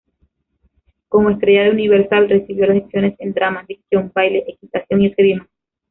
Como estrella de Universal, recibió lecciones en drama, dicción, baile, equitación y esgrima.